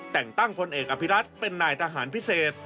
แต่งตั้งพลเอกอภิรัตเป็นนายทหารพิเศษ